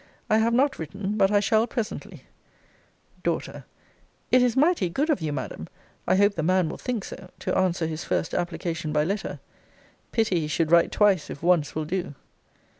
I have not written; but I shall presently. D. It is mighty good of you, Madam, (I hope the man will think so,) to answer his first application by letter. Pity he should write twice, if once will do.